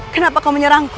kenapa kau menyerangku